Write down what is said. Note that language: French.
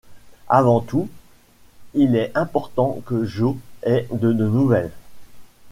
Avant tout, il est important que Joe ait de nos nouvelles.